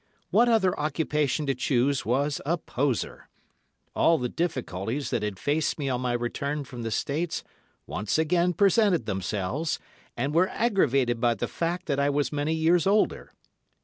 What other occupation to choose was a poser. All the difficulties that had faced me on my return from the States once again presented themselves, and were aggravated by the fact that I was many years older.